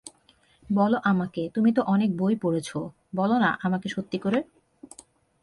বলো আমাকে, তুমি তো অনেক বই পড়েছ, বলো-না আমাকে সত্যি করে।